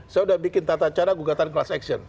saya sudah bikin tata cara gugatan class action